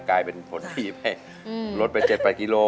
กลายเป็นผลดีไปลดไป๗๘กิโล